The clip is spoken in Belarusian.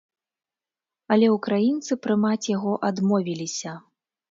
Але ўкраінцы прымаць яго адмовіліся.